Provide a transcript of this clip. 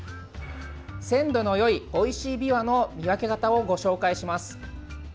鮮度のよい、おいしいびわの見分け方をご紹介します。